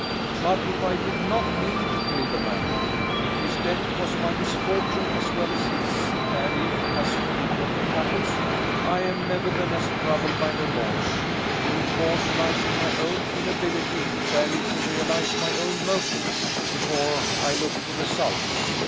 But if I did not mean to kill the man if his death was my misfortune as well as his and if (as frequently happens) I am nevertheless troubled by remorse, the true cause lies in my own inability fairly to realize my own motives before I look to results.